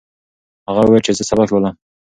هغه وویل چې زه سبق لولم.